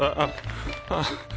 ああ。